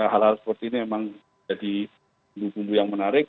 hal hal seperti ini memang jadi bumbu bumbu yang menarik